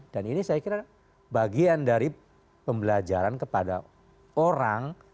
ini saya kira bagian dari pembelajaran kepada orang